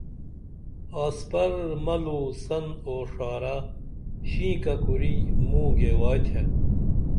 آسپر ملُو سن او ݜارہ شِنکہ کُری موں گیوائتھے